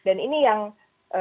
dan ini yang kita lihat